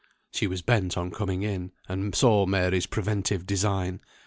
She was bent on coming in, and saw Mary's preventive design.